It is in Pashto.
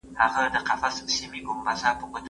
هغه د ګرمو اوبو په څښلو بوخت دی.